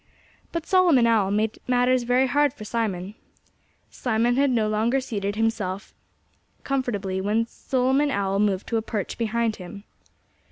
But Solomon Owl made matters very hard for Simon. Simon had no sooner seated himself comfortably when Solomon Owl moved to a perch behind him.